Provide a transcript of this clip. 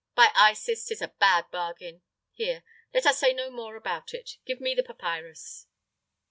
By Isis, 'tis a bad bargain! Here; let us say no more about it. Give me the papyrus."